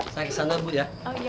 saya kesana dulu ya